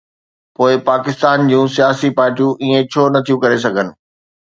پوءِ پاڪستان جون سياسي پارٽيون ائين ڇو نٿيون ڪري سگهن؟